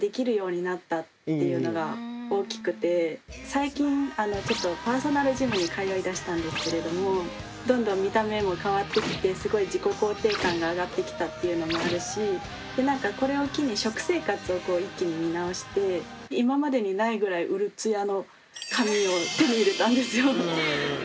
最近ちょっとパーソナルジムに通いだしたんですけれどもどんどん見た目も変わってきてすごい自己肯定感が上がってきたっていうのもあるしこれを機に食生活を一気に見直して今までにないぐらいうるつやの髪を手に入れたんですよ。